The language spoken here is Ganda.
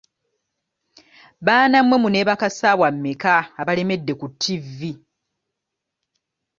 Baana mmwe muneebaka ssaawa mmeka abalemedde ku tivi?